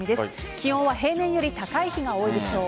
気温は平年より高い日が多いでしょう。